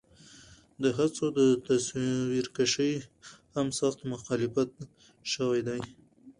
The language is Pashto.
د هڅو د تصويرکشۍ هم سخت مخالفت شوے دے